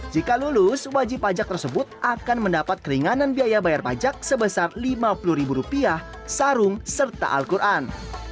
jika lulus wajib pajak tersebut akan mendapat keringanan biaya bayar pajak sebesar lima puluh ribu rupiah sarung serta al quran